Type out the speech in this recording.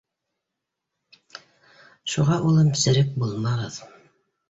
Шуға, улым, серек булмағыҙ!